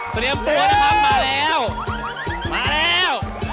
เตรียมตัวนะครับมาแล้วมาแล้ว